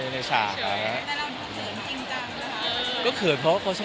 ไม่ใช่ไม่เปิดหรอกก็